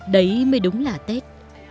đấy mới đúng là tết